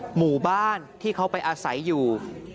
หมู่บ้านที่เขาไปอาศัยอยู่